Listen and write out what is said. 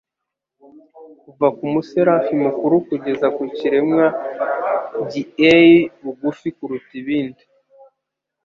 Kuva ku Muserafi mukuru kugeza ku kiremwa gieiye bugufi kuruta ibindi,